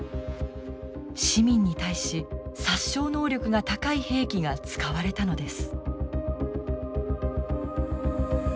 市民に対し殺傷能力が高い兵器が使われたのです。